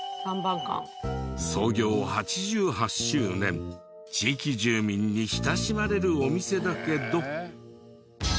創業８８周年地域住民に親しまれるお店だけど。